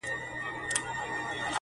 وو حاکم مګر مشهوره په امیر وو٫